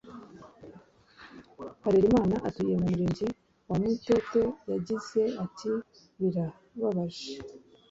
Harerimana atuye mu Murenge wa Mutete yagize ati“Birababaje